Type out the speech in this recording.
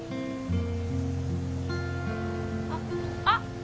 あっ。